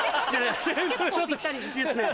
ちょっとキチキチですね。